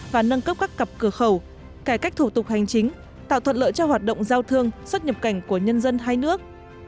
và nâng cấp các cặp cửa khẩu cải cách thủ tục hành chính tạo thuận lợi cho hoạt động giao thương xuất nhập cảnh của nhân dân hai nước